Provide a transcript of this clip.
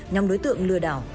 nhằm đối tượng lừa đảo